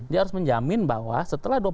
dia harus menjamin bahwa setelah dua puluh oktober